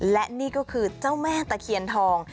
และนี่ก็คือเจ้าแม่ตะเคียนทอง